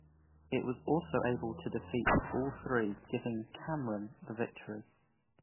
It was able to defeat all three, giving Cameron the victory.